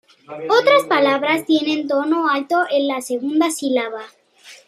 Otras palabras tienen tono alto en la segunda sílaba.